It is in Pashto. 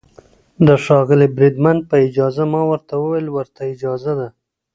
د ښاغلي بریدمن په اجازه، ما ورته وویل: ورته اجازه ده.